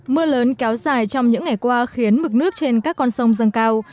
mưa lớn kéo dài trong những ngày qua khiến mực nước trên các con sông dâng cao